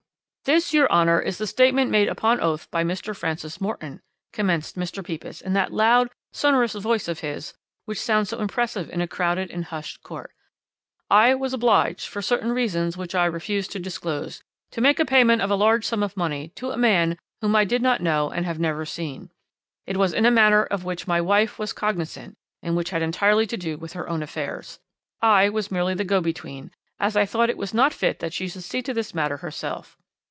"'This, your Honour, is the statement made upon oath by Mr. Francis Morton,' commenced Mr. Pepys in that loud, sonorous voice of his which sounds so impressive in a crowded and hushed court. '"I was obliged, for certain reasons which I refuse to disclose, to make a payment of a large sum of money to a man whom I did not know and have never seen. It was in a matter of which my wife was cognisant and which had entirely to do with her own affairs. I was merely the go between, as I thought it was not fit that she should see to this matter herself.